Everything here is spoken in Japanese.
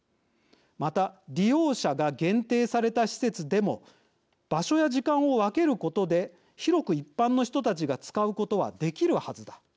また、利用者が限定された施設でも場所や時間を分けることで広く一般の人たちが使うことはできるはずだ。